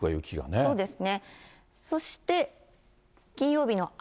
そうですね。